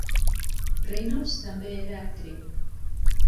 Reynolds també era actriu.